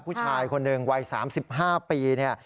ผู้ชายคนหนึ่งวัย๓๕ปีเนี่ย